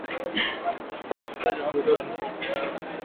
kushindwa kuwalipa waagizaji wa mafuta ruzuku yao